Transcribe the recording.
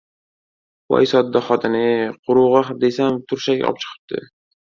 — Voy sodda xotin-ey! «Qurug‘i» desam, turshak obchiqibdi.